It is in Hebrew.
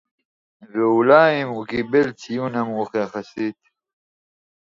ואולי אם הוא קיבל ציון נמוך יחסית